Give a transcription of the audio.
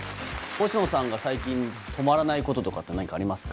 星野さんが最近、止まらないこととかって、何かありますか。